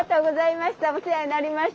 お世話になりました！